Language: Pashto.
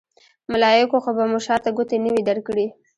ملایکو خو به مو شاته ګوتې نه وي درکړې.